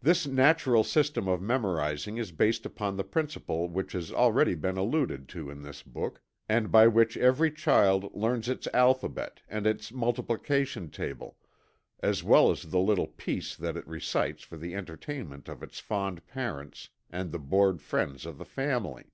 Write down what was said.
This natural system of memorizing is based upon the principle which has already been alluded to in this book, and by which every child learns its alphabet and its multiplication table, as well as the little "piece" that it recites for the entertainment of its fond parents and the bored friends of the family.